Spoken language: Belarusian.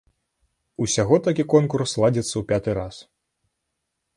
Усяго такі конкурс ладзіцца ў пяты раз.